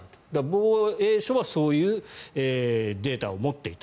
防衛省はそういうデータを持っていた。